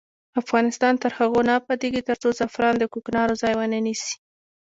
افغانستان تر هغو نه ابادیږي، ترڅو زعفران د کوکنارو ځای ونه نیسي.